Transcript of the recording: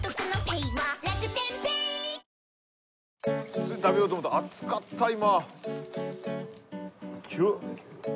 すぐ食べようと思ったら熱かった今。